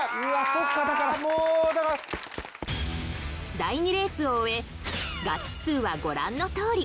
第２レースを終えガッチ数はご覧のとおり